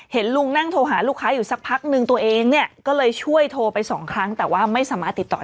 ลุงนั่งโทรหาลูกค้าอยู่สักพักนึงตัวเองเนี่ยก็เลยช่วยโทรไปสองครั้งแต่ว่าไม่สามารถติดต่อ